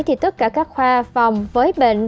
thì tất cả các khoa phòng với bệnh